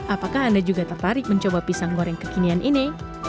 apakah anda juga tertarik mencoba pisang goreng kekinian ini